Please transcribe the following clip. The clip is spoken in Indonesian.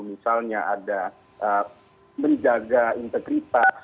misalnya ada menjaga integritas